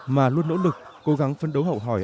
mà luôn nỗ lực cố gắng phấn đấu hậu hỏi